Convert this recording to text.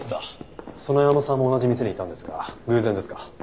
園山さんも同じ店にいたんですが偶然ですか？